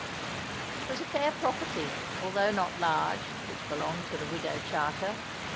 It was a fair property, although not large, which belonged to the Widow Charter.